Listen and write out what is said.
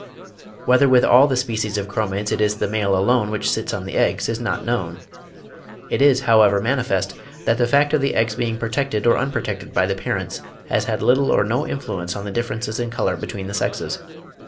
Whether with all the species of Chromids it is the male alone which sits on the eggs is not known. It is, however, manifest that the fact of the eggs being protected or unprotected by the parents, has had little or no influence on the differences in colour between the sexes.